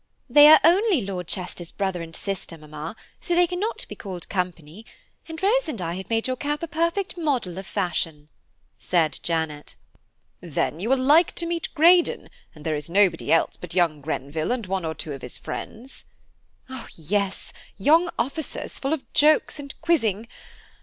"They are only Lord Chester's brother and sister, mamma, so they cannot be called company; and Rose and I have made your cap a perfect model of fashion," said Janet. "Then you will like to meet Greydon; and there is nobody else but young Grenville and one or two of his friends." "Yes, young officers, full of jokes and quizzing.